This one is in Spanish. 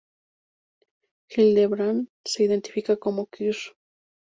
Hildebrand se identifica como queer.